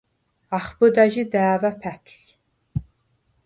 ახბჷდა ჟი და̄̈ვა̈ ფა̈თვს.